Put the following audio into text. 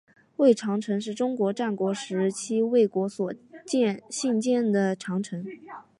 魏长城是中国战国时期魏国所兴建的长城。